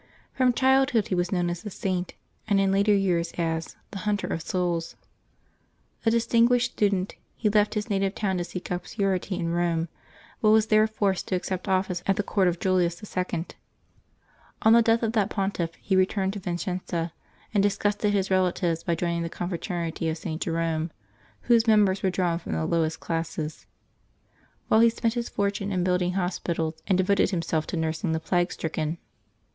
From childhood he was known as the Saint, and in later years as " the hunter of souls.^' A distinguished student, he left his native town to seek obscurity in Rome, but was there forced to accept office at the court of Julius II. On the death of that Pontiff he returned to Vicenza, and disgusted his relatives by joining the Confraternity of St. Jerome, whose members were drawn from the lowest classes; while he spent his fortune in building hospitals, and devoted himself to nursing the plague stricken.